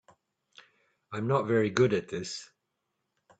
I'm not very good at this.